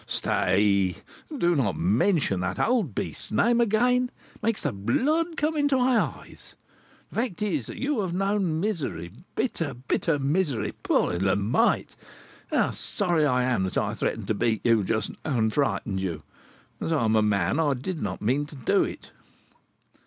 "Stay, do not mention that old beast's name again, it makes the blood come into my eyes! The fact is, that you have known misery, bitter, bitter misery. Poor little mite! how sorry I am that I threatened to beat you just now, and frightened you. As I am a man, I did not mean to do it."